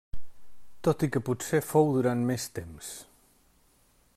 Tot i que potser fou durant més temps.